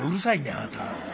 あなた。